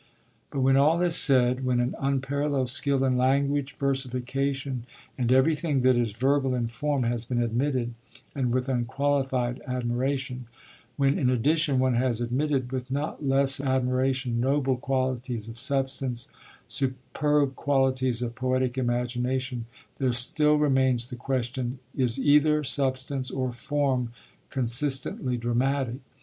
But when all is said, when an unparalleled skill in language, versification, and everything that is verbal in form, has been admitted, and with unqualified admiration; when, in addition, one has admitted, with not less admiration, noble qualities of substance, superb qualities of poetic imagination, there still remains the question: is either substance or form consistently dramatic?